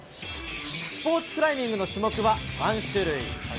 スポーツクライミングの種目は、３種類。